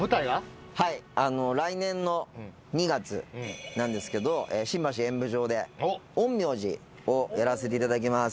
はい来年の２月なんですけど新橋演舞場で『陰陽師』をやらせていただきます。